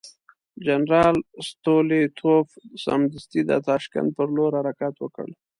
جنرال ستولیتوف سمدستي د تاشکند پر لور حرکت وکړ.